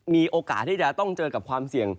มีโอกาสที่จะต้องเจอกับความเสี่ยง